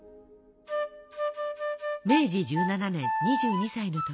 明治１７年２２歳の時。